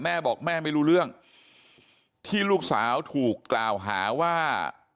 แม่บอกแม่ไม่รู้เรื่องที่ลูกสาวถูกกล่าวหาว่า